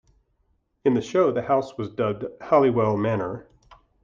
In the show the house was dubbed "Halliwell Manor".